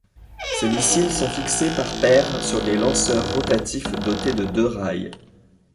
Ces missiles sont fixés par paires sur des lanceurs rotatifs dotés de deux rails.